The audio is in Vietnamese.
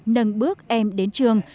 nâng bước em đến trường